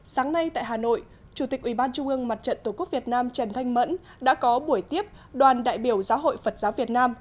sáng nay tại hà nội chủ tịch ủy ban trung ương mặt trận tổ quốc việt nam trần thanh mẫn đã có buổi tiếp đoàn đại biểu giáo hội phật giáo việt nam